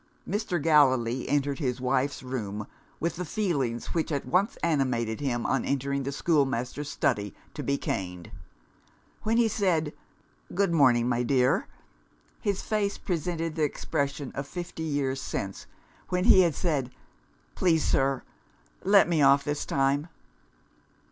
Mr. Gallilee entered his wife's room, with the feelings which had once animated him, on entering the schoolmaster's study to be caned. When he said "Good morning, my dear!" his face presented the expression of fifty years since, when he had said, "Please, sir, let me off this time!"